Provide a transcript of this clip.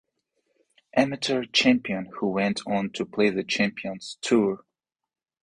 Amateur champion who went on to play the Champions Tour.